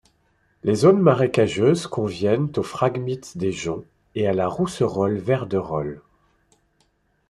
Les zones marécageuses conviennent au phragmite des joncs et à la rousserolle verderolle.